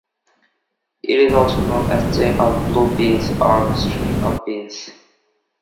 It is also known as chain of blue beans or string of beans.